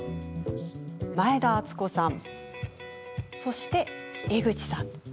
前田敦子さん、そして江口さん。